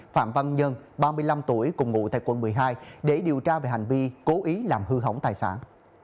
phạm văn nhân ba mươi năm tuổi cùng ngụ tại quận một mươi hai để điều tra về hành vi cố ý làm hư hỏng tài sản